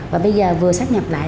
và bây giờ vừa sắp nhập lại